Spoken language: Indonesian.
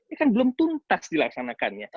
ini kan belum tuntas dilaksanakannya